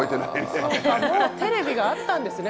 そうかもうテレビがあったんですね